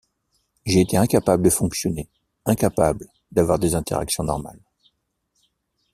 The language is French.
J'ai été incapable de fonctionner, incapable d'avoir des interactions normales.